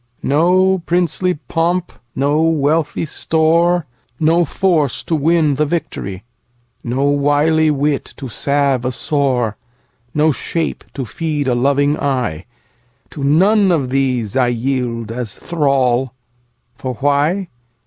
No princely pomp, no wealthy store, No force to win the victory, No wily wit to salve a sore, No shape to feed a loving eye; To none of these I yield as thrall; For why?